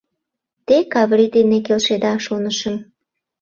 Те Каврий дене келшеда, шонышым...